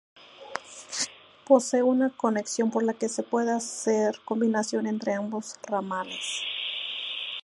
Posee una conexión por la que se puede hacer combinación entre ambos ramales.